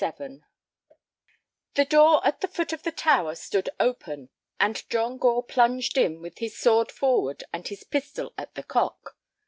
XXXVII The door at the foot of the tower stood open, and John Gore plunged in with his sword forward and his pistol at the cock.